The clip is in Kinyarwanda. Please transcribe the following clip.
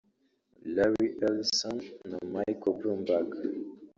Larry Ellison na Michael Bloomberg